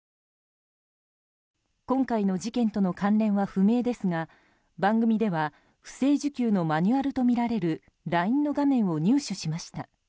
今回の事件との関連は不明ですが番組では、不正受給のマニュアルとみられるＬＩＮＥの画面を入手しました。